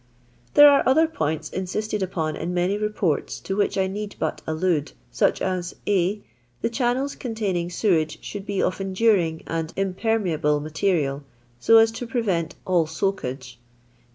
| There are other points insifttcd upon in many i Beports to which I need but allude, such as > (a.) The channels containing sewage should be j of enduring and impermeable material, so as to ]>revent all soakage.